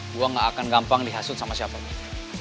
gue gak akan gampang dihasut sama siapa pun